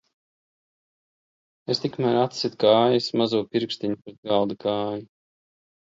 Es tikmēr atsitu kājas mazo pirkstiņu pret galda kāju.